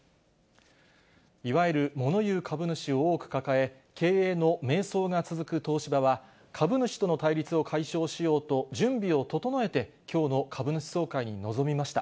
いわゆるもの言う株主を多く抱え、経営の迷走が続く東芝は、株主との対立を解消しようと、準備を整えて、きょうの株主総会に臨みました。